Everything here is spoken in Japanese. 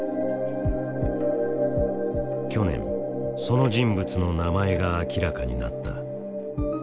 去年その人物の名前が明らかになった。